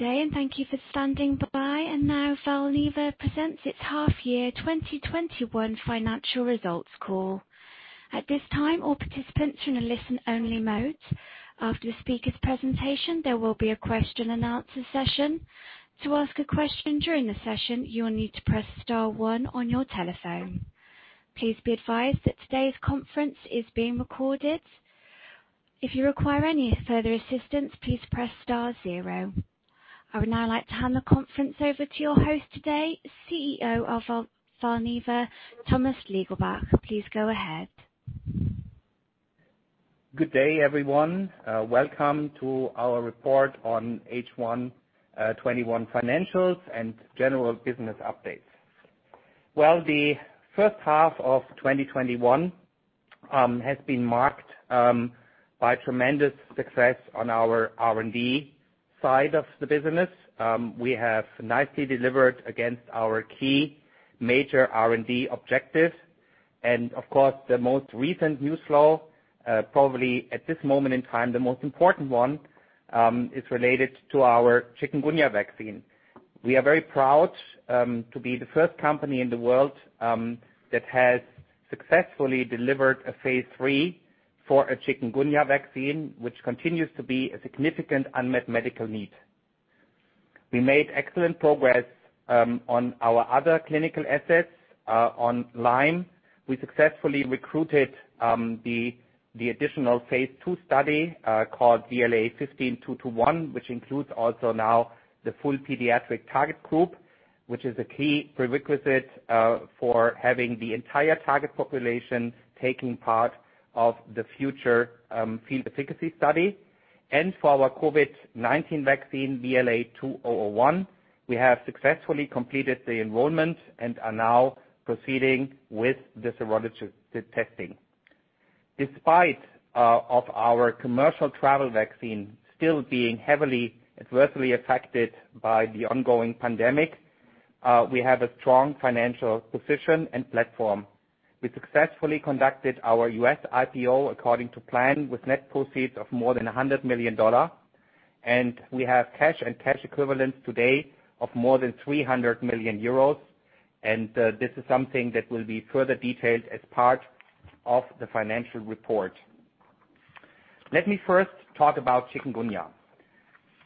Now Valneva presents its half year 2021 financial results call. At this time, all participants are in a listen-only mode. After the speaker's presentation, there will be a question-and-answer session. To ask a question during the session, you will need to press star one on your telephone. Please be advised that today's conference is being recorded. If you require any further assistance, please press star zero. I would now like to hand the conference over to your host today, CEO of Valneva, Thomas Lingelbach. Please go ahead. Good day, everyone. Welcome to our report on H1 2021 financials and general business updates. Well, the first half of 2021 has been marked by tremendous success on our R&D side of the business. We have nicely delivered against our key major R&D objectives. Of course, the most recent news flow, probably at this moment in time the most important one, is related to our chikungunya vaccine. We are very proud to be the first company in the world that has successfully delivered a phase III for a chikungunya vaccine, which continues to be a significant unmet medical need. We made excellent progress on our other clinical assets. On Lyme, we successfully recruited the additional phase II study, called VLA15-221, which includes also now the full pediatric target group, which is a key prerequisite for having the entire target population taking part of the future field efficacy study. For our COVID-19 vaccine, VLA2001, we have successfully completed the enrollment and are now proceeding with the serologic testing. Despite of our commercial travel vaccine still being heavily adversely affected by the ongoing pandemic, we have a strong financial position and platform. We successfully conducted our US IPO according to plan with net proceeds of more than $100 million. We have cash and cash equivalents today of more than 300 million euros, and this is something that will be further detailed as part of the financial report. Let me first talk about chikungunya.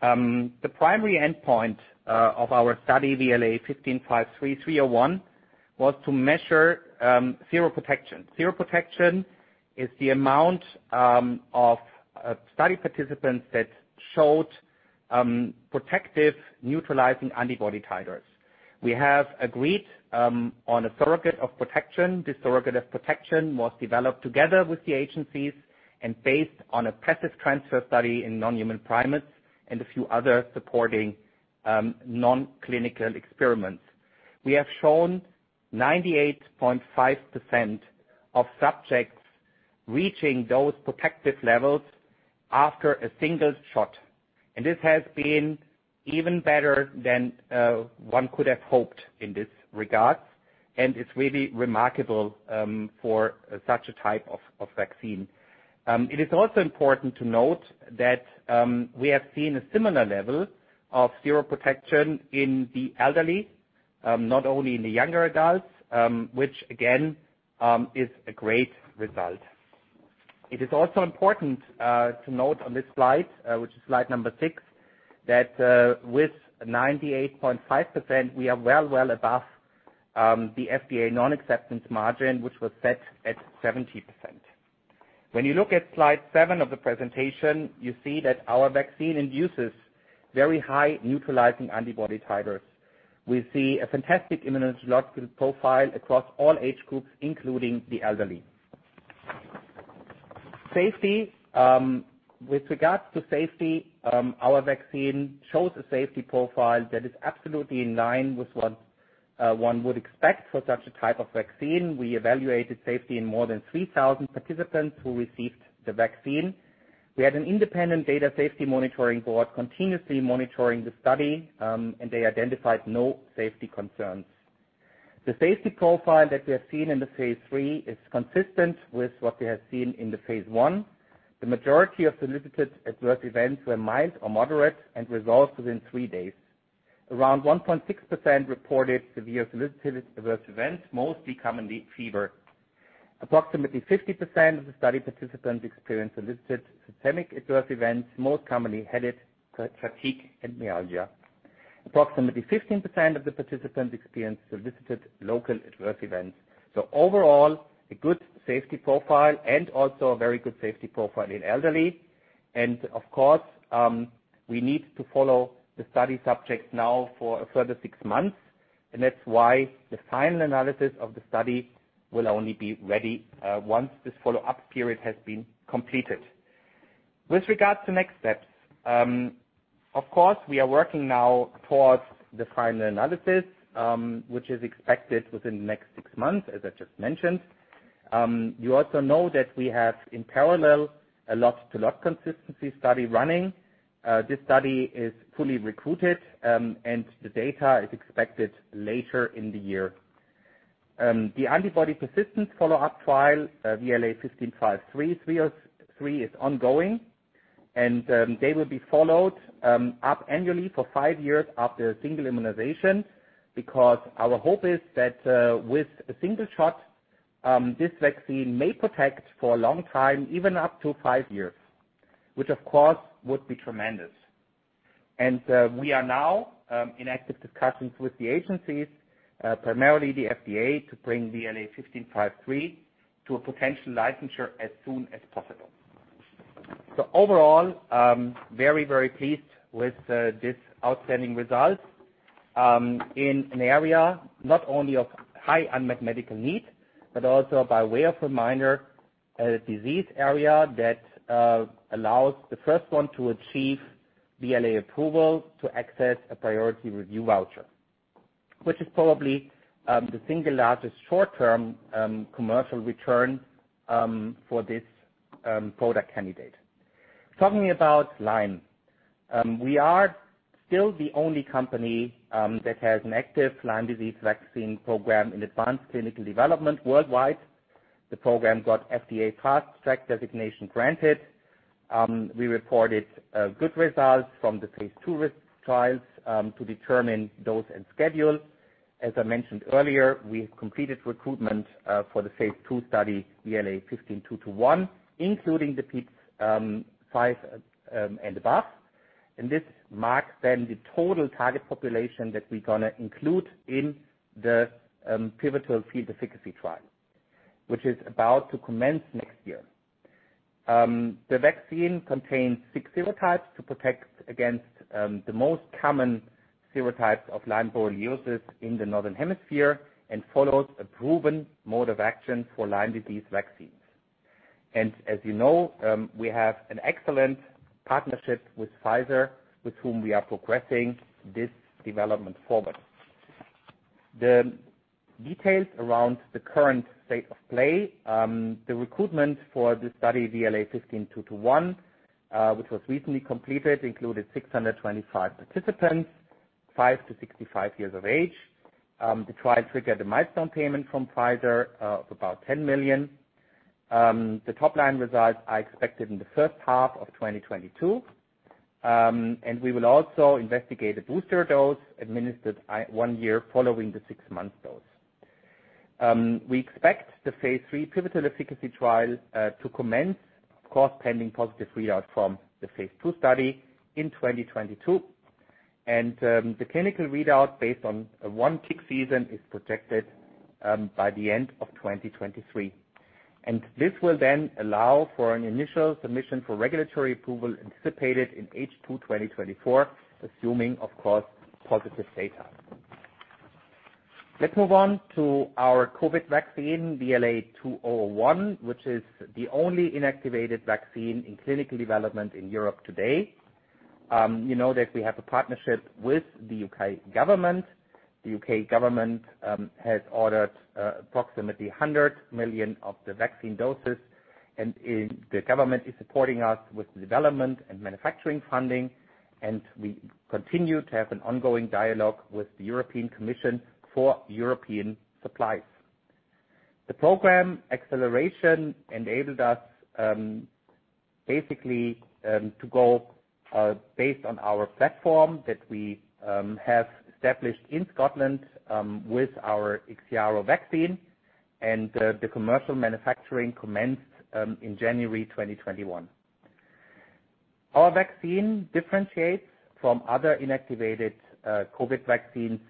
The primary endpoint of our study, VLA1553-301, was to measure seroprotection. Seroprotection is the amount of study participants that showed protective neutralizing antibody titers. We have agreed on a surrogate of protection. This surrogate of protection was developed together with the agencies and based on a passive transfer study in non-human primates and a few other supporting non-clinical experiments. We have shown 98.5% of subjects reaching those protective levels after a single shot. This has been even better than one could have hoped in this regard. It's really remarkable for such a type of vaccine. It is also important to note that we have seen a similar level of seroprotection in the elderly, not only in the younger adults, which again is a great result. It is also important to note on this slide, which is slide number six, that with 98.5%, we are well above the FDA non-acceptance margin, which was set at 70%. When you look at slide seven of the presentation, you see that our vaccine induces very high neutralizing antibody titers. We see a fantastic immunologic profile across all age groups, including the elderly. Safety. With regards to safety, our vaccine shows a safety profile that is absolutely in line with what one would expect for such a type of vaccine. We evaluated safety in more than 3,000 participants who received the vaccine. We had an independent data safety monitoring board continuously monitoring the study, and they identified no safety concerns. The safety profile that we have seen in the phase III is consistent with what we have seen in the phase I. The majority of solicited adverse events were mild or moderate and resolved within three days. Around 1.6% reported severe solicited adverse events, most commonly fever. Approximately 50% of the study participants experienced solicited systemic adverse events, most commonly headache, fatigue, and myalgia. Approximately 15% of the participants experienced solicited local adverse events. Overall, a good safety profile and also a very good safety profile in elderly. Of course, we need to follow the study subjects now for a further six months, and that's why the final analysis of the study will only be ready once this follow-up period has been completed. With regards to next steps, of course, we are working now towards the final analysis, which is expected within the next six months, as I just mentioned. You also know that we have in parallel a lot-to-lot consistency study running. This study is fully recruited. The data is expected later in the year. The antibody persistence follow-up trial, VLA1553, is ongoing. They will be followed up annually for five years after a single immunization, because our hope is that with a single shot, this vaccine may protect for a long time, even up to five years, which, of course, would be tremendous. We are now in active discussions with the agencies, primarily the FDA, to bring VLA1553 to a potential licensure as soon as possible. Overall, very pleased with this outstanding result in an area not only of high unmet medical need, but also by way of reminder, a disease area that allows the first one to achieve BLA approval to access a priority review voucher, which is probably the single largest short-term commercial return for this product candidate. Talking about Lyme. We are still the only company that has an active Lyme disease vaccine program in advanced clinical development worldwide. The program got FDA Fast Track designation granted. We reported good results from the phase II trials to determine dose and schedule. As I mentioned earlier, we have completed recruitment for the phase II study, VLA15-221, including the peds five and above. This marks then the total target population that we're going to include in the pivotal field efficacy trial, which is about to commence next year. The vaccine contains six serotypes to protect against the most common serotypes of Lyme borreliosis in the northern hemisphere and follows a proven mode of action for Lyme disease vaccines. As you know, we have an excellent partnership with Pfizer, with whom we are progressing this development forward. The details around the current state of play. The recruitment for the study VLA15-221, which was recently completed, included 625 participants, 5-65 years of age. The trial triggered a milestone payment from Pfizer of about $10 million. The top-line results are expected in first half of 2022. We will also investigate a booster dose administered one year following the six-month dose. We expect the phase III pivotal efficacy trial to commence, of course pending positive readout from the phase II study in 2022. The clinical readout based on one tick season is projected by the end of 2023. This will then allow for an initial submission for regulatory approval anticipated in H2 2024, assuming, of course, positive data. Let's move on to our COVID vaccine, VLA2001, which is the only inactivated vaccine in clinical development in Europe today. You know that we have a partnership with the U.K. government. The U.K. government has ordered approximately 100 million of the vaccine doses. The government is supporting us with development and manufacturing funding. We continue to have an ongoing dialogue with the European Commission for European supplies. The program acceleration enabled us basically to go based on our platform that we have established in Scotland with our IXIARO vaccine. The commercial manufacturing commenced in January 2021. Our vaccine differentiates from other inactivated COVID vaccines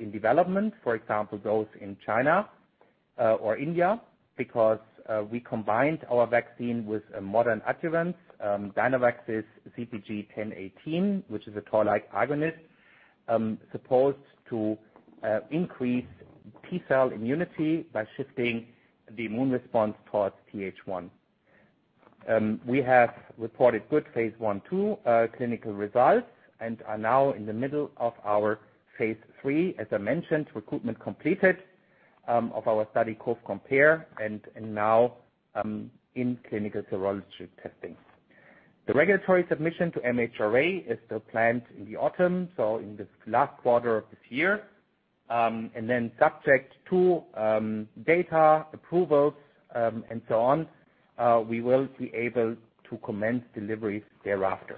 in development, for example, those in China or India, because we combined our vaccine with a modern adjuvant, Dynavax's CpG 1018, which is a Toll-like agonist, supposed to increase T-cell immunity by shifting the immune response towards Th1. We have reported good phase I/II clinical results and are now in the middle of our phase III. As I mentioned, recruitment completed of our study COV-COMPARE. Now in clinical serology testing. The regulatory submission to MHRA is still planned in the autumn, so in the last quarter of this year. Subject to data approvals and so on, we will be able to commence deliveries thereafter.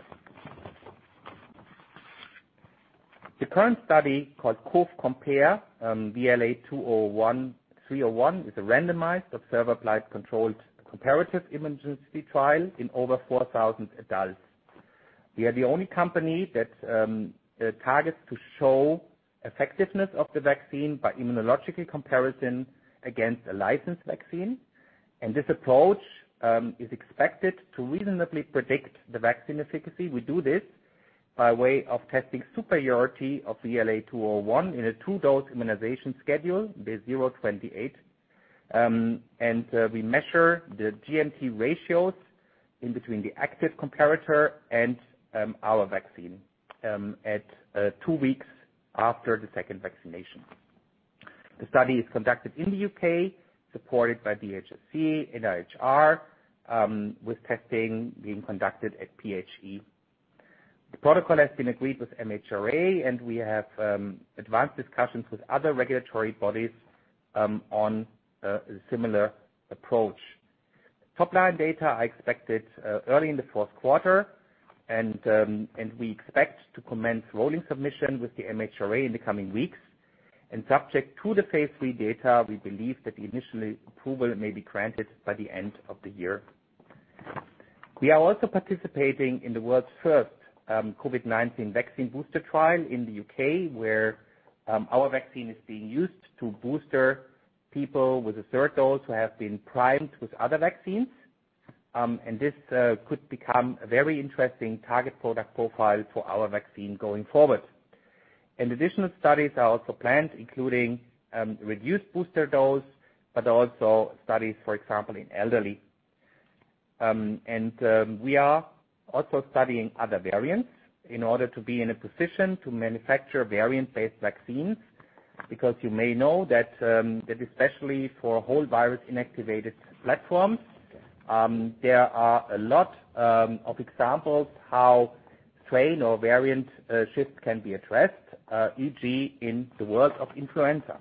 The current study, called COV-COMPARE, VLA2001-301, is a randomized, observer-blind, controlled comparative immunogenicity trial in over 4,000 adults. We are the only company that targets to show effectiveness of the vaccine by immunological comparison against a licensed vaccine, and this approach is expected to reasonably predict the vaccine efficacy. We do this by way of testing superiority of VLA2001 in a two-dose immunization schedule, day zero, 28. We measure the GMT ratios in between the active comparator and our vaccine at two weeks after the second vaccination. The study is conducted in the U.K., supported by DHSC, NIHR, with testing being conducted at PHE. The protocol has been agreed with MHRA, we have advanced discussions with other regulatory bodies on a similar approach. Top-line data are expected early in the fourth quarter, we expect to commence rolling submission with the MHRA in the coming weeks. Subject to the phase III data, we believe that the initial approval may be granted by the end of the year. We are also participating in the world's first COVID-19 vaccine booster trial in the U.K., where our vaccine is being used to booster people with a third dose who have been primed with other vaccines. This could become a very interesting target product profile for our vaccine going forward. Additional studies are also planned, including reduced booster dose, but also studies, for example, in elderly. We are also studying other variants in order to be in a position to manufacture variant-based vaccines, because you may know that especially for whole virus inactivated platforms, there are a lot of examples how strain or variant shifts can be addressed, e.g., in the world of influenza.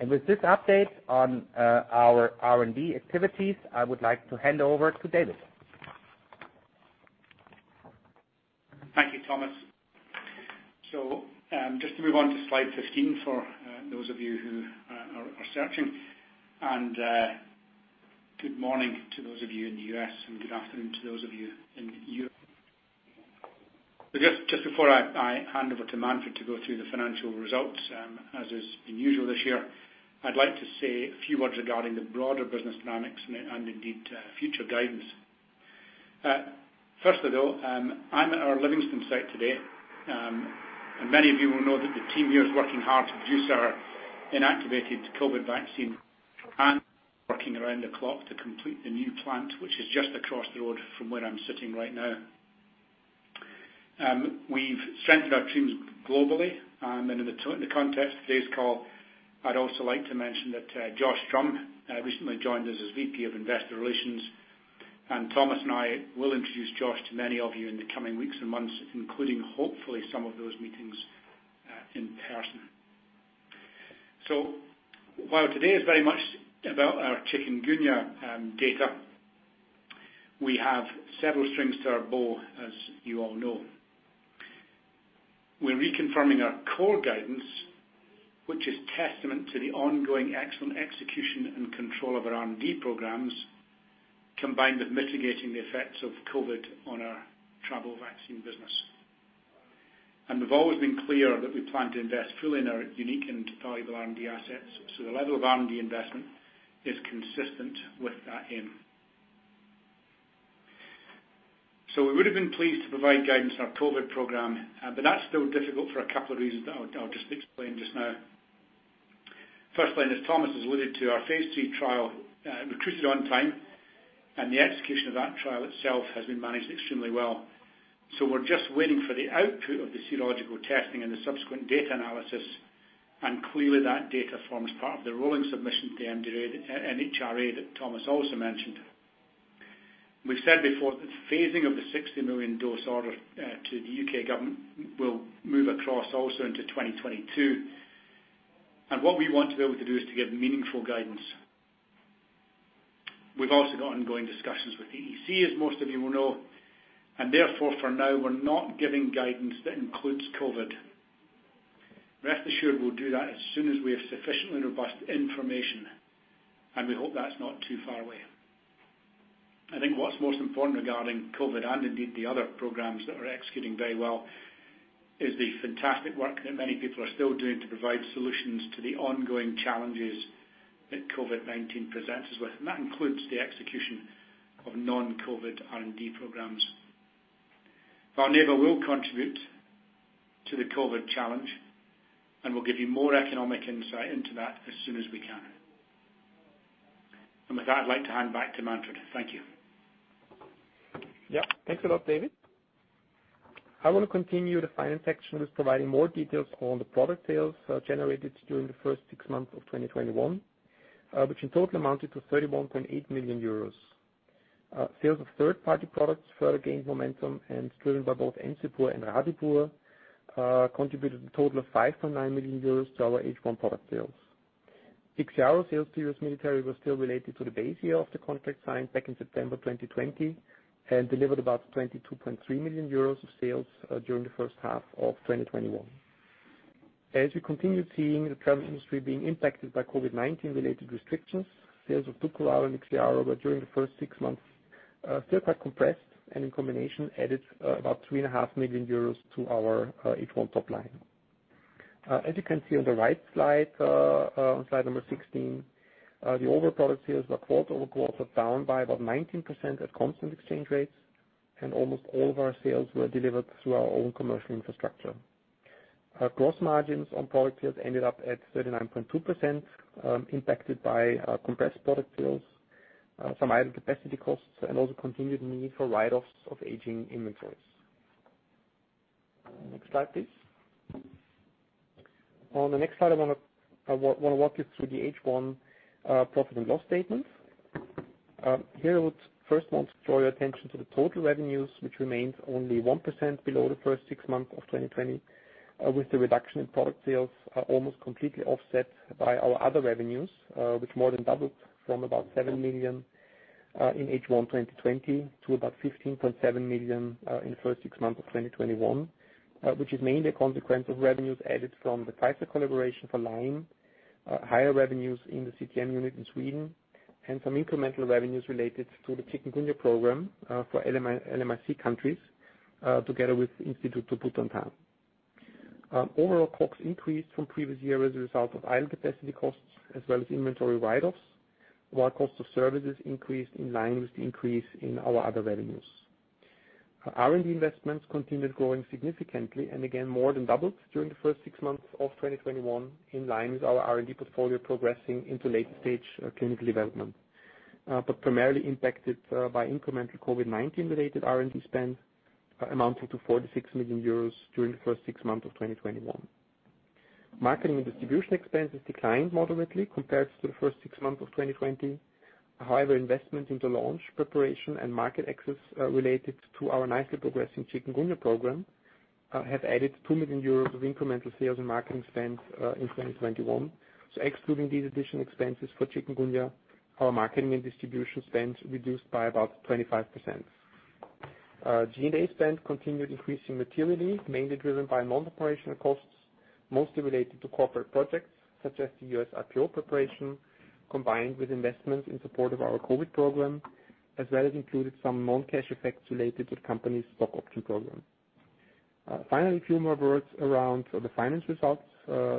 With this update on our R&D activities, I would like to hand over to David. Thank you, Thomas. Just to move on to slide 15 for those of you who are searching. Good morning to those of you in the U.S., and good afternoon to those of you in Europe. Just before I hand over to Manfred to go through the financial results, as is usual this year, I'd like to say a few words regarding the broader business dynamics and indeed, future guidance. First of all, I'm at our Livingston site today. Many of you will know that the team here is working hard to produce our inactivated COVID vaccine and working around the clock to complete the new plant, which is just across the road from where I'm sitting right now. We've strengthened our teams globally. In the context of today's call, I'd also like to mention that Josh Drumm recently joined us as VP of Investor Relations. Thomas and I will introduce Josh to many of you in the coming weeks and months, including hopefully, some of those meetings in person. While today is very much about our chikungunya data, we have several strings to our bow, as you all know. We're reconfirming our core guidance, which is testament to the ongoing excellent execution and control of our R&D programs, combined with mitigating the effects of COVID on our travel vaccine business. We've always been clear that we plan to invest fully in our unique and valuable R&D assets. The level of R&D investment is consistent with that aim. We would have been pleased to provide guidance on our COVID program, but that's still difficult for a couple of reasons that I'll just explain just now. Firstly, and as Thomas has alluded to, our phase III trial recruited on time, and the execution of that trial itself has been managed extremely well. We're just waiting for the output of the serological testing and the subsequent data analysis. Clearly that data forms part of the rolling submission to the MHRA that Thomas also mentioned. We've said before that the phasing of the 60-million dose order to the U.K. government will move across also into 2022. What we want to be able to do is to give meaningful guidance. We've also got ongoing discussions with the EC, as most of you will know, and therefore for now, we're not giving guidance that includes COVID. Rest assured we'll do that as soon as we have sufficiently robust information, and we hope that's not too far away. I think what's most important regarding COVID, and indeed the other programs that are executing very well, is the fantastic work that many people are still doing to provide solutions to the ongoing challenges that COVID-19 presents us with. That includes the execution of non-COVID R&D programs. Valneva will contribute to the COVID challenge, and we'll give you more economic insight into that as soon as we can. With that, I'd like to hand back to Manfred. Thank you. Thanks a lot, David. I want to continue the finance section with providing more details on the product sales generated during the first six months of 2021, which in total amounted to 31.8 million euros. Sales of third-party products further gained momentum and driven by both Encepur and Rabipur, contributed a total of 5.9 million euros to our H1 product sales. IXIARO sales to the U.S. military were still related to the base year of the contract signed back in September 2020 and delivered about 22.3 million euros of sales during the first half of 2021. As we continue seeing the travel industry being impacted by COVID-19 related restrictions, sales of DUKORAL and IXIARO were during the first six months still quite compressed and in combination added about 3.5 million euros to our H1 top line. As you can see on the right slide, on slide 16, the overall product sales were quarter-over-quarter down by about 19% at constant exchange rates, and almost all of our sales were delivered through our own commercial infrastructure. Our gross margins on product sales ended up at 39.2%, impacted by compressed product sales, some higher capacity costs, and also continued need for write-offs of aging inventories. Next slide, please. On the next slide, I want to walk you through the H1 profit and loss statement. Here, I would first want to draw your attention to the total revenues, which remains only 1% below the first six months of 2020, with the reduction in product sales almost completely offset by our other revenues, which more than doubled from about 7 million in H1 2020 to about 15.7 million in the first six months of 2021, which is mainly a consequence of revenues added from the Pfizer collaboration for Lyme, higher revenues in the CTM unit in Sweden, and some incremental revenues related to the chikungunya program for LMIC countries together with the Instituto Butantan. Overall, COGS increased from previous year as a result of idle capacity costs as well as inventory write-offs, while cost of services increased in line with the increase in our other revenues. Our R&D investments continued growing significantly and again more than doubled during the first six months of 2021, in line with our R&D portfolio progressing into late-stage clinical development. Primarily impacted by incremental COVID-19 related R&D spend amounting to 46 million euros during the first six months of 2021. Marketing and distribution expenses declined moderately compared to the first six months of 2020. Investment into launch preparation and market access related to our nicely progressing chikungunya program, have added 2 million euros of incremental sales and marketing spend in 2021. Excluding these additional expenses for chikungunya, our marketing and distribution spend reduced by about 25%. G&A spend continued increasing materially, mainly driven by non-operational costs, mostly related to corporate projects such as the U.S. IPO preparation, combined with investments in support of our COVID program, as well as included some non-cash effects related to the company's stock option program. A few more words around the finance results,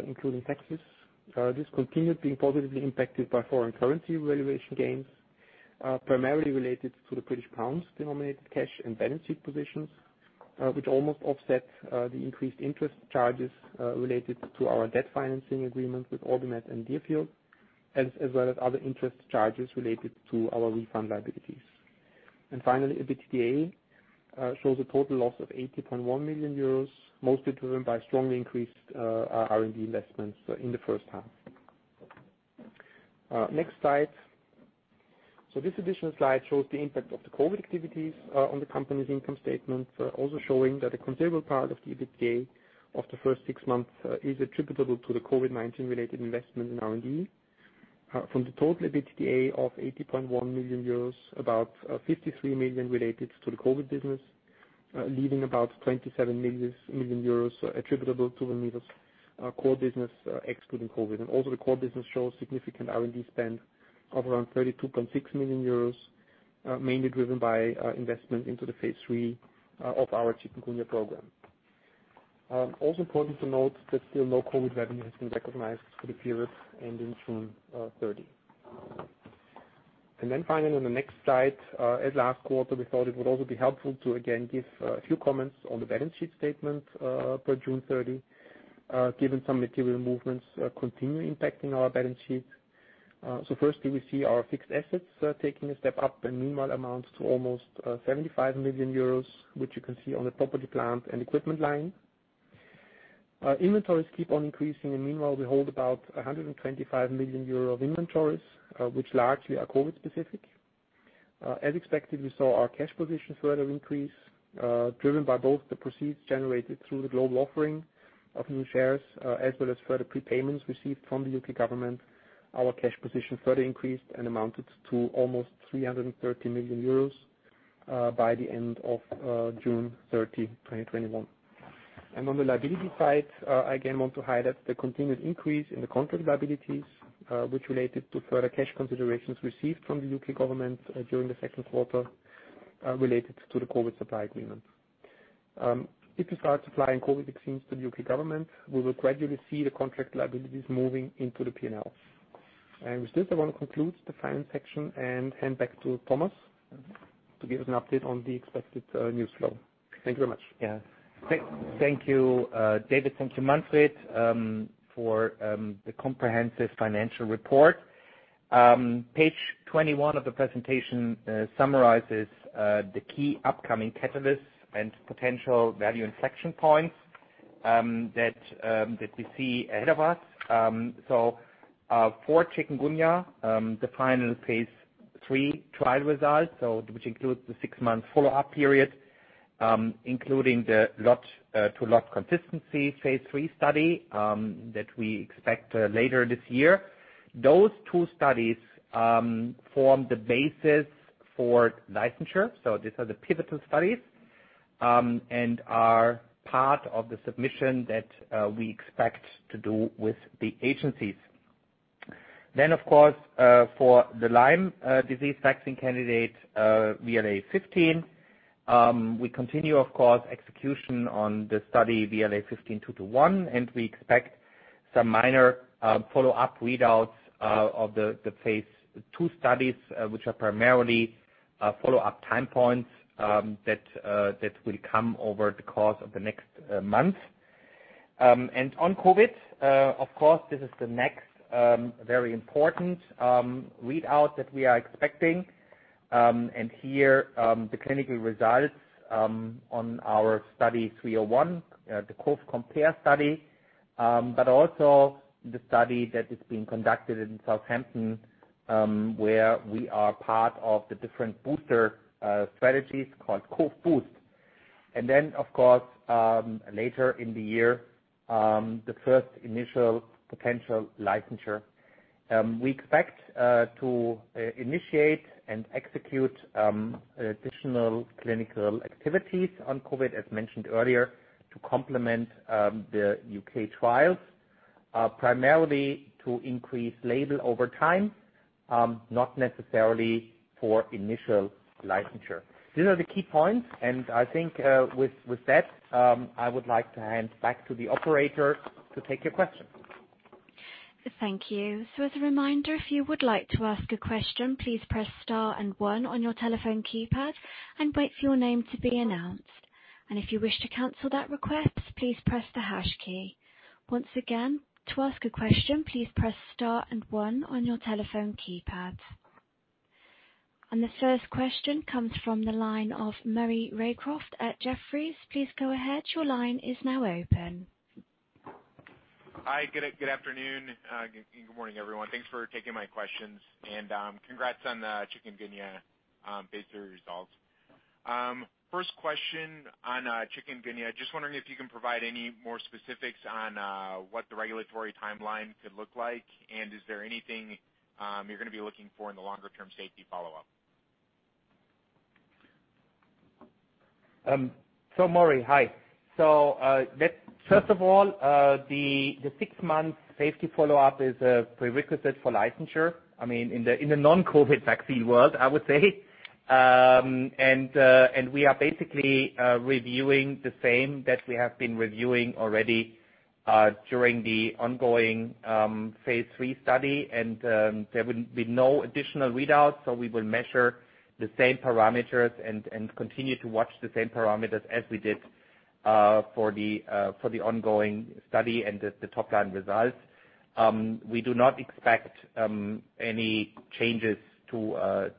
including taxes. This continued being positively impacted by foreign currency valuation gains, primarily related to the GBP denominated cash and balance sheet positions, which almost offset the increased interest charges related to our debt financing agreement with OrbiMed and Deerfield, as well as other interest charges related to our refund liabilities. EBITDA shows a total loss of 80.1 million euros, mostly driven by strongly increased R&D investments in the first half. Next slide. This additional slide shows the impact of the COVID-19 activities on the company's income statement, also showing that a considerable part of the EBITDA of the first six months is attributable to the COVID-19 related investment in R&D. From the total EBITDA of 80.1 million euros, about 53 million related to the COVID-19 business, leaving about 27 million attributable to the company's core business excluding COVID. Also the core business shows significant R&D spend of around 32.6 million euros, mainly driven by investment into the phase III of our chikungunya program. Also important to note that still no COVID revenue has been recognized for the period ending June 30. Finally, on the next slide, as last quarter, we thought it would also be helpful to again give a few comments on the balance sheet statement for June 30, given some material movements continue impacting our balance sheet. Firstly, we see our fixed assets taking a step up and meanwhile amounts to almost 75 million euros, which you can see on the property, plant, and equipment line. Inventories keep on increasing. Meanwhile, we hold about 125 million euro of inventories, which largely are COVID-specific. As expected, we saw our cash position further increase, driven by both the proceeds generated through the global offering of new shares, as well as further prepayments received from the U.K. government. Our cash position further increased and amounted to almost 330 million euros by the end of June 30, 2021. On the liability side, I again want to highlight the continued increase in the contract liabilities, which related to further cash considerations received from the U.K. government during the second quarter related to the COVID supply agreement. If we start supplying COVID vaccines to the U.K. government, we will gradually see the contract liabilities moving into the P&L. With this, I want to conclude the finance section and hand back to Thomas to give us an update on the expected news flow. Thank you very much. Yeah. Thank you, David. Thank you, Manfred, for the comprehensive financial report. Page 21 of the presentation summarizes the key upcoming catalysts and potential value inflection points that we see ahead of us. For chikungunya, the final phase III trial results, which includes the six-month follow-up period, including the lot-to-lot consistency Phase III study that we expect later this year. Those two studies form the basis for licensure. These are the pivotal studies and are part of the submission that we expect to do with the agencies. Of course for the Lyme disease vaccine candidate, VLA15, we continue, of course, execution on the study VLA15-221, and we expect some minor follow-up readouts of the phase II studies, which are primarily follow-up time points that will come over the course of the next month. On COVID, of course, this is the next very important readout that we are expecting. Here, the clinical results on our study 301, the COV-COMPARE study, but also the study that is being conducted in Southampton, where we are part of the different booster strategies called COV-BOOST. Later in the year, the first initial potential licensure. We expect to initiate and execute additional clinical activities on COVID, as mentioned earlier, to complement the U.K. trials, primarily to increase label over time, not necessarily for initial licensure. These are the key points, and I think with that, I would like to hand back to the operator to take your questions. Thank you. As a reminder, if you would like to ask a question, please press star and one on your telephone keypad and wait for your name to be announced. If you wish to cancel that request, please press the hash key. Once again, to ask a question, please press star and one on your telephone keypad. The first question comes from the line of Maury Raycroft at Jefferies. Please go ahead. Your line is now open. Hi, good afternoon. Good morning, everyone. Thanks for taking my questions. Congrats on the chikungunya phase III results. First question on chikungunya. Just wondering if you can provide any more specifics on what the regulatory timeline could look like, and is there anything you're going to be looking for in the longer-term safety follow-up? Maury, hi. First of all, the six-month safety follow-up is a prerequisite for licensure, I mean, in the non-COVID vaccine world, I would say. We are basically reviewing the same that we have been reviewing already during the ongoing phase III study, and there will be no additional readouts. We will measure the same parameters and continue to watch the same parameters as we did for the ongoing study and the top-line results. We do not expect any changes to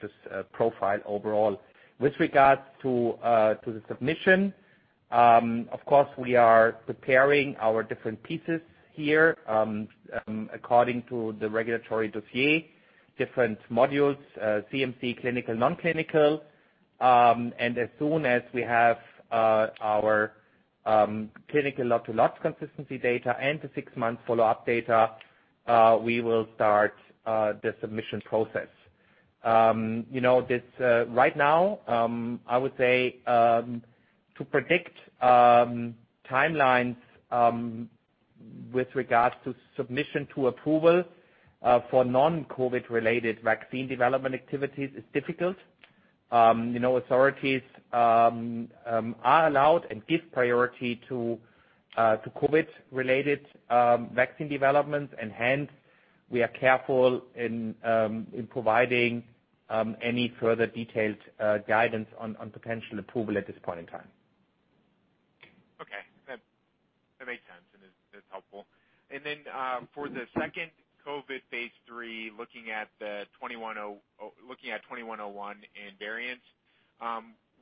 this profile overall. With regards to the submission, of course, we are preparing our different pieces here according to the regulatory dossier, different modules, CMC, clinical, non-clinical. As soon as we have our clinical lot-to-lot consistency data and the six-month follow-up data, we will start the submission process. Right now, I would say, to predict timelines with regards to submission to approval for non-COVID-related vaccine development activities is difficult. Authorities are allowed and give priority to COVID-related vaccine development. Hence, we are careful in providing any further detailed guidance on potential approval at this point in time. Okay. That makes sense, and it's helpful. For the second COVID phase III, looking at the 2101 in variants,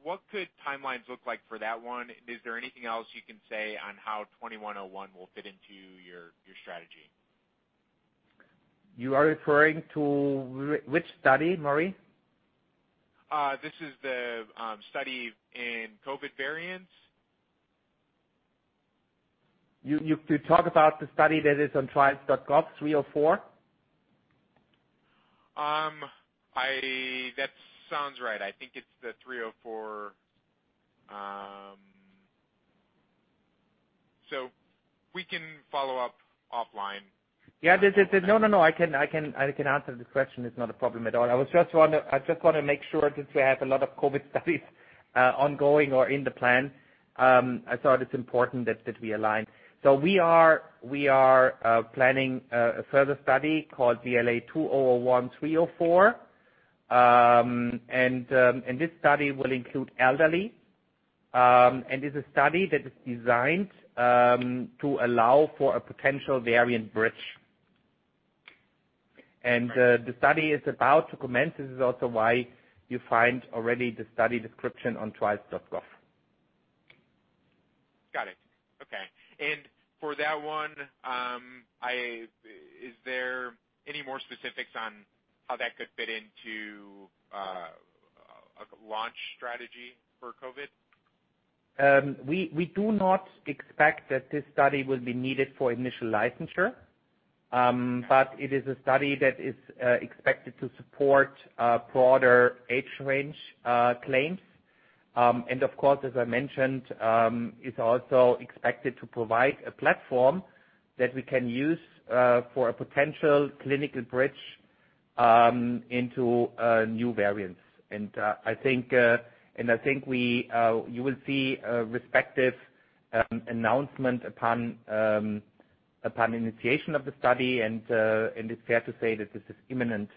what could timelines look like for that one? Is there anything else you can say on how 2101 will fit into your strategy? You are referring to which study, Maury? This is the study in COVID variants. You talk about the study that is on ClinicalTrials.gov, 304? That sounds right. I think it's the 304. We can follow up offline. Yeah. No, I can answer the question. It's not a problem at all. I just want to make sure since we have a lot of COVID studies ongoing or in the plan, I thought it's important that we align. We are planning a further study called VLA2001-304. This study will include elderly, and it's a study that is designed to allow for a potential variant bridge. The study is about to commence. This is also why you find already the study description on clinicaltrials.gov. Got it. Okay. For that one, is there any more specifics on how that could fit into a launch strategy for COVID? We do not expect that this study will be needed for initial licensure, but it is a study that is expected to support broader age range claims. Of course, as I mentioned, it's also expected to provide a platform that we can use for a potential clinical bridge into new variants. I think you will see a respective announcement upon initiation of the study, and it's fair to say that this is imminent.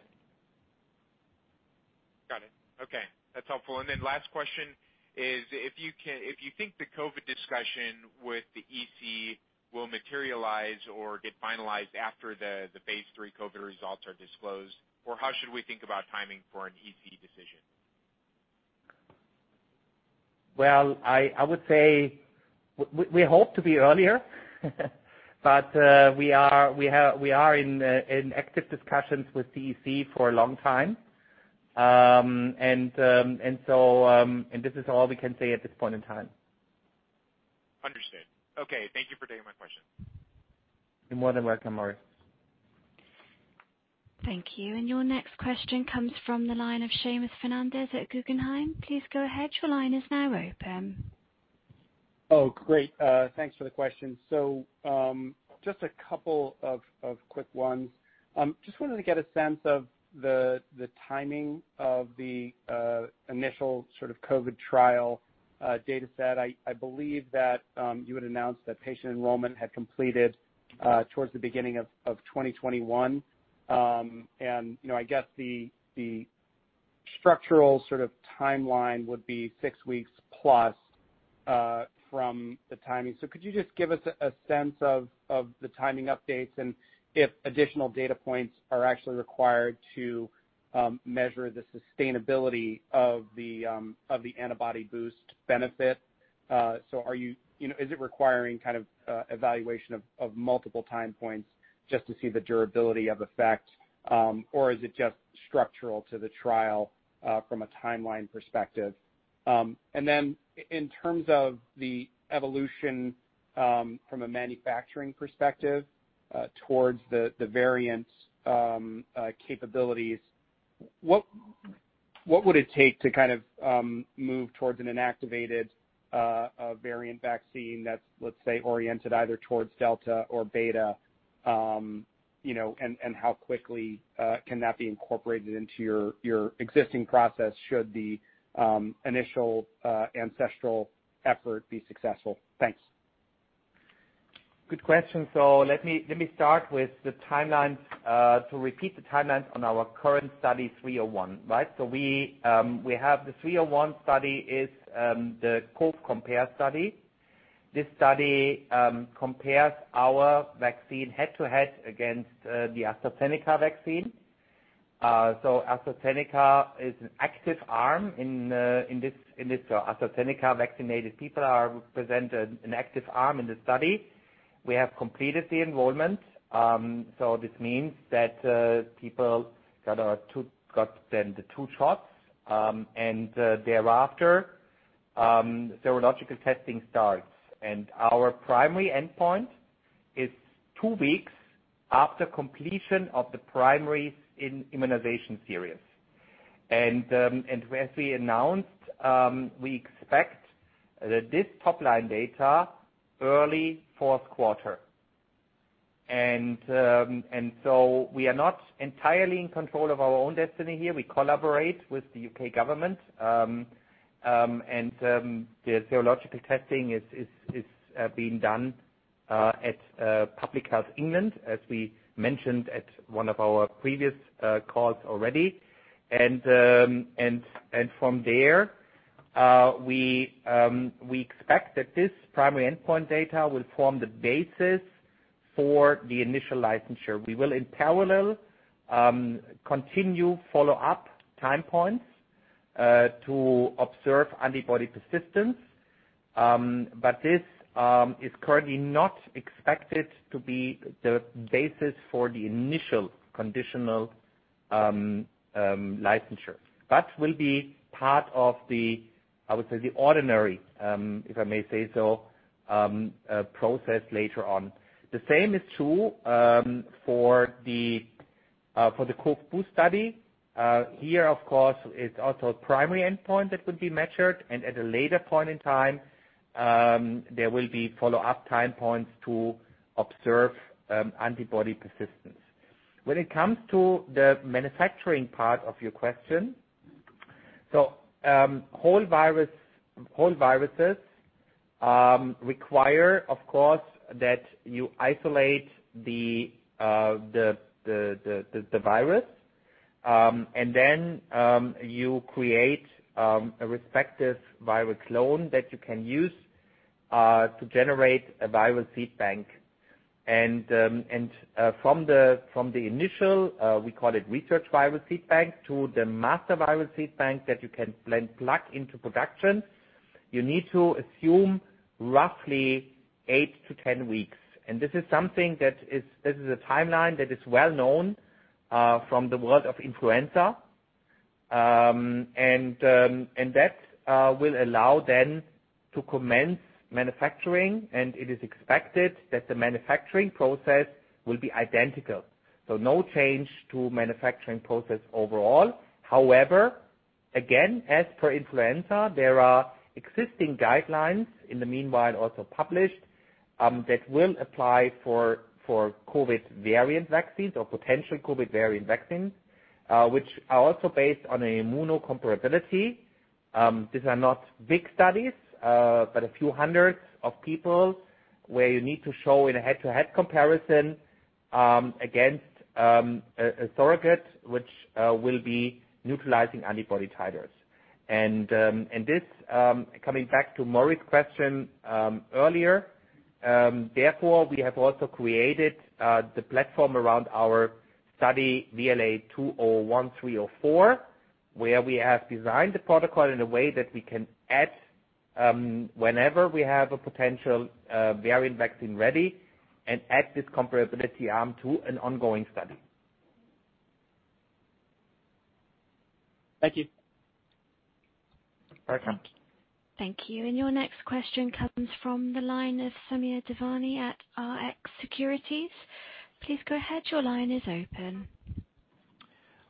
Got it. Okay, that's helpful. Last question is if you think the COVID discussion with the EC will materialize or get finalized after the phase III COVID results are disclosed, or how should we think about timing for an EC decision? Well, I would say we hope to be earlier, but we are in active discussions with EC for a long time. This is all we can say at this point in time. Understood. Okay. Thank you for taking my question. You're more than welcome, Maury. Thank you. Your next question comes from the line of Seamus Fernandez at Guggenheim. Please go ahead. Your line is now open. Great. Thanks for the question. Just a couple of quick ones. Just wanted to get a sense of the timing of the initial sort of COVID trial dataset. I believe that you had announced that patient enrollment had completed towards the beginning of 2021. I guess the structural sort of timeline would be six weeks plus, from the timing. Could you just give us a sense of the timing updates and if additional data points are actually required to measure the sustainability of the antibody boost benefit? Is it requiring kind of evaluation of multiple time points just to see the durability of effect? Is it just structural to the trial, from a timeline perspective? In terms of the evolution from a manufacturing perspective towards the variants capabilities, what would it take to kind of move towards an inactivated variant vaccine that's, let's say, oriented either towards Delta or Beta? How quickly can that be incorporated into your existing process should the initial ancestral effort be successful? Thanks. Good question. Let me start with the timelines, to repeat the timelines on our current study, 301. Right? We have the 301 study is the COV-COMPARE study. This study compares our vaccine head-to-head against the AstraZeneca vaccine. AstraZeneca is an active arm in this. AstraZeneca vaccinated people represent an active arm in the study. We have completed the enrollment. This means that people got then the two shots, and thereafter, serological testing starts, and our primary endpoint is two weeks after completion of the primary immunization series. As we announced, we expect this top-line data early fourth quarter. We are not entirely in control of our own destiny here. We collaborate with the U.K. government. The serological testing is being done at Public Health England, as we mentioned at one of our previous calls already. From there, we expect that this primary endpoint data will form the basis for the initial licensure. We will in parallel, continue follow-up time points to observe antibody persistence. This is currently not expected to be the basis for the initial conditional licensure. That will be part of the, I would say, the ordinary, if I may say so, process later on. The same is true for the COV-BOOST study. Here, of course, it is also a primary endpoint that will be measured and at a later point in time, there will be follow-up time points to observe antibody persistence. When it comes to the manufacturing part of your question. Whole viruses require, of course, that you isolate the virus, and then you create a respective virus clone that you can use to generate a viral seed bank. From the initial, we call it research virus seed bank, to the master virus seed bank that you can then plug into production, you need to assume roughly 8-10 weeks. This is a timeline that is well-known from the world of influenza. That will allow then to commence manufacturing, and it is expected that the manufacturing process will be identical. No change to manufacturing process overall. However, again, as per influenza, there are existing guidelines in the meanwhile also published, that will apply for COVID variant vaccines or potential COVID variant vaccines, which are also based on immuno comparability. These are not big studies, but a few hundreds of people where you need to show in a head-to-head comparison against a surrogate which will be neutralizing antibody titers. This, coming back to Maury's question earlier, therefore, we have also created the platform around our study VLA2001-304, where we have designed the protocol in a way that we can add whenever we have a potential variant vaccine ready and add this comparability arm to an ongoing study. Thank you. Welcome. Thank you. Your next question comes from the line of Samir Devani at Rx Securities. Please go ahead.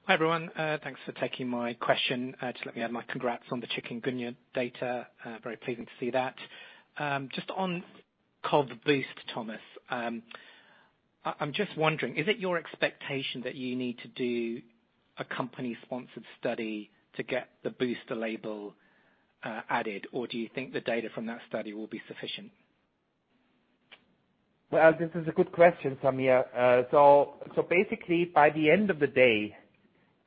Hi, everyone. Thanks for taking my question. Just let me add my congrats on the chikungunya data. Very pleasing to see that. Just on COV-BOOST, Thomas, I'm just wondering, is it your expectation that you need to do a company-sponsored study to get the booster label added, or do you think the data from that study will be sufficient? Well, this is a good question, Samir. Basically, by the end of the day,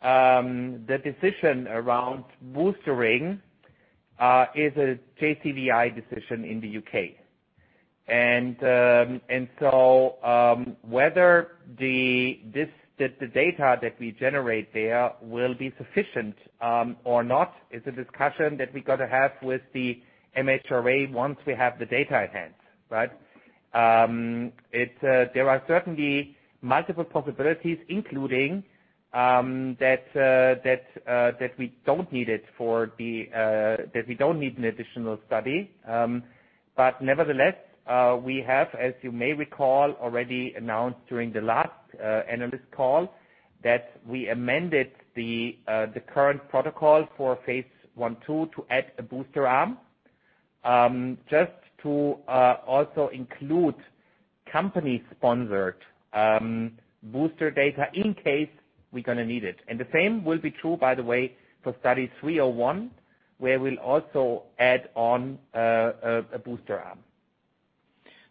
the decision around boostering is a JCVI decision in the U.K. Whether the data that we generate there will be sufficient or not is a discussion that we got to have with the MHRA once we have the data at hand, right? There are certainly multiple possibilities, including that we don't need an additional study. Nevertheless, we have, as you may recall, already announced during the last analyst call that we amended the current protocol for phase I, II to add a booster arm, just to also include company-sponsored booster data in case we're going to need it. The same will be true, by the way, for study 301, where we'll also add on a booster arm.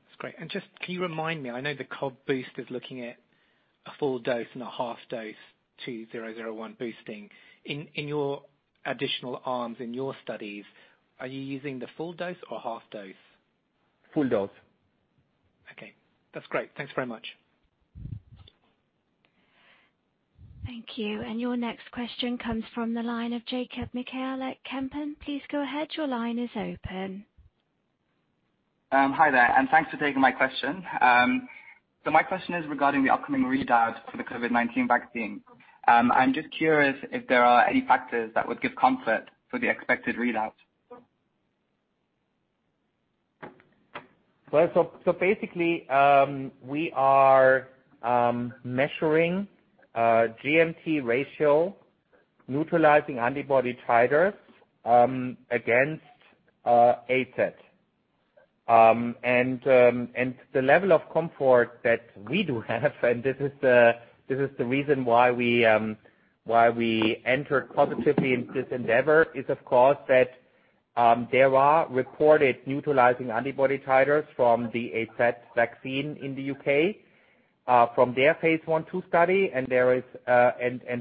That's great. Just, can you remind me, I know the COV-BOOST is looking at a full dose and a half dose, 2001 boosting. In your additional arms in your studies, are you using the full dose or half dose? Full dose. Okay. That's great. Thanks very much. Thank you. Your next question comes from the line of Jacob Mekhael at Kempen. Please go ahead. Your line is open. Hi there. Thanks for taking my question. My question is regarding the upcoming read out for the COVID-19 vaccine. I am just curious if there are any factors that would give comfort for the expected read out. Basically, we are measuring GMT ratio, neutralizing antibody titers against AZD1222. The level of comfort that we do have, and this is the reason why we entered positively into this endeavor, is, of course, that there are reported neutralizing antibody titers from the AZD1222 vaccine in the U.K. from their phase I/II study and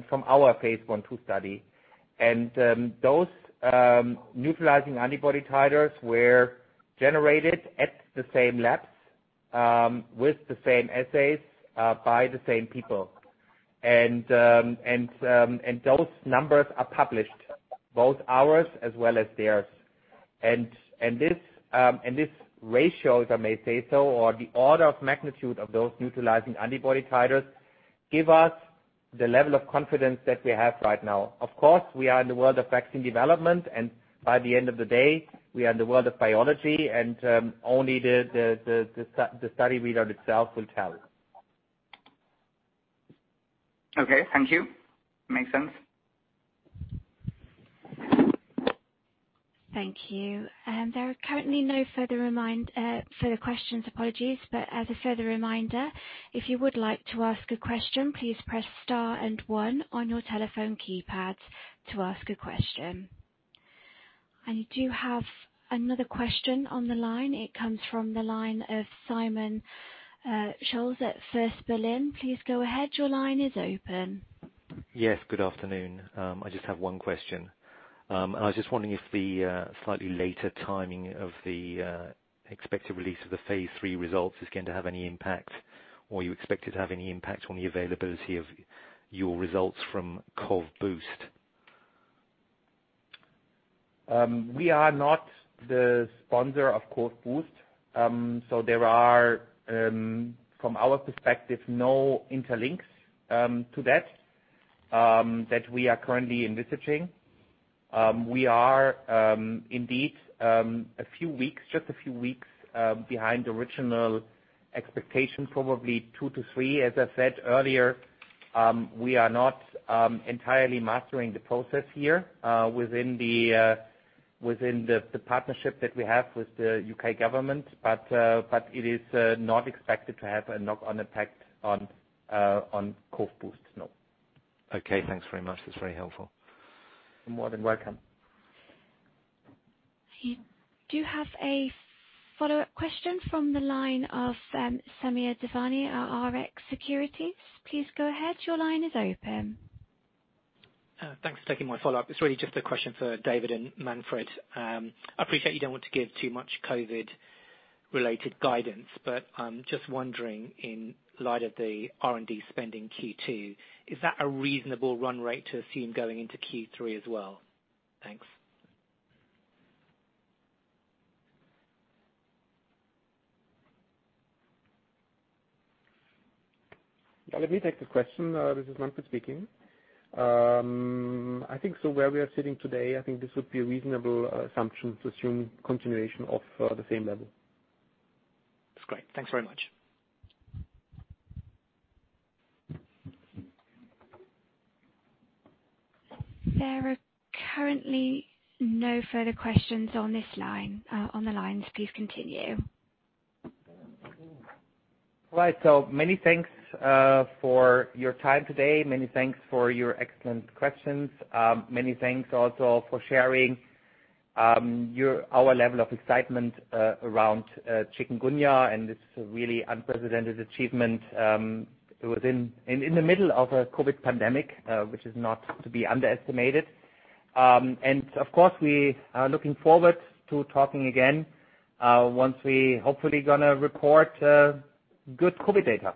from our phase I/II study. Those neutralizing antibody titers were generated at the same labs with the same assays by the same people. Those numbers are published, both ours as well as theirs. This ratio, if I may say so, or the order of magnitude of those neutralizing antibody titers, give us the level of confidence that we have right now. We are in the world of vaccine development, and by the end of the day, we are in the world of biology and only the study readout itself will tell. Okay, thank you. Makes sense. Thank you. There are currently no further questions, apologies. As a further reminder, if you would like to ask a question, please press star one on your telephone keypad to ask a question. I do have another question on the line. It comes from the line of Simon Scholes at First Berlin. Please go ahead. Your line is open. Yes, good afternoon. I just have one question. I was just wondering if the slightly later timing of the expected release of the phase III results is going to have any impact, or you expect it to have any impact on the availability of your results from COV-BOOST. We are not the sponsor of COV-BOOST. There are, from our perspective, no interlinks to that that we are currently investigating. We are indeed just a few weeks behind the original expectation, probably two to three. As I said earlier, we are not entirely mastering the process here within the partnership that we have with the U.K. government, but it is not expected to have a knock on effect on COV-BOOST, no. Okay, thanks very much. That's very helpful. You're more than welcome. I do have a follow-up question from the line of Samir Devani at Rx Securities. Please go ahead. Your line is open. Thanks for taking my follow-up. It is really just a question for David and Manfred. I appreciate you don't want to give too much COVID-related guidance, but I am just wondering in light of the R&D spending Q2, is that a reasonable run rate to assume going into Q3 as well? Thanks. Let me take the question. This is Manfred speaking. I think so where we are sitting today, I think this would be a reasonable assumption to assume continuation of the same level. That's great. Thanks very much. There are currently no further questions on the lines. Please continue. Right. Many thanks for your time today. Many thanks for your excellent questions. Many thanks also for sharing our level of excitement around chikungunya and this really unprecedented achievement in the middle of a COVID pandemic, which is not to be underestimated. Of course, we are looking forward to talking again once we hopefully going to report good COVID data.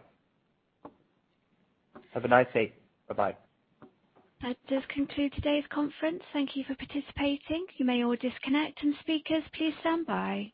Have a nice day. Bye-bye. That does conclude today's conference. Thank you for participating. You may all disconnect. Speakers, please stand by.